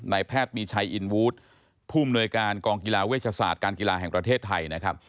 แพทย์มีชัยอินวูธผู้มนวยการกองกีฬาเวชศาสตร์การกีฬาแห่งประเทศไทยนะครับ